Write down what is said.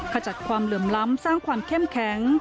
ขจัดความเหลื่อมล้ำสร้างความเข้มแข็ง